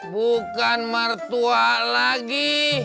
bukan mertua lagi